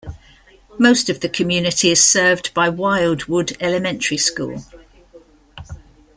Most of the community is served by Wildwood Elementary School.